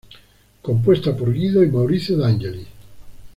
Compuesta por Guido y Maurizio De Angelis.